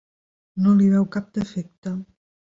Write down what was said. No li veu cap defecte.